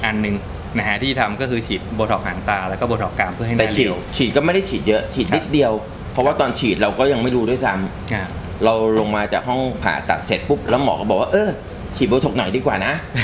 อันนี้ผมใช้เวลาไปประมาณ๒ชั่วโมงนิดไหม๒ชั่วโมงกว่ากว่า